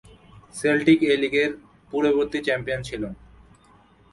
Celtic এই লীগের পূর্ববর্তী চ্যাম্পিয়ন ছিল।